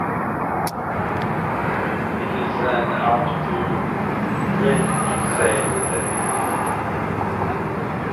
It is then up to Gwyn to save the day.